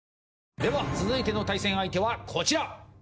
では、続いての対戦相手はこちら。